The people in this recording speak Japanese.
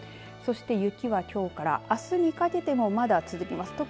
そして雪はきょうからあすにかけてもまだ続きます。